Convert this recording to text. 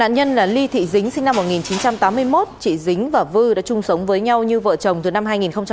năm một nghìn chín trăm tám mươi một chị dính và vư đã chung sống với nhau như vợ chồng từ năm hai nghìn một mươi ba